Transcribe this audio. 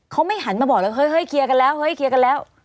เขาไม่หันมาบอกว่าเฮ้ยเฮ้ยเคียร์กันแล้ว